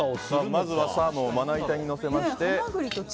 まずはサーモンをまな板に載せまして。